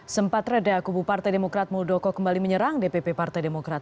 sempat reda kubu partai demokrat muldoko kembali menyerang dpp partai demokrat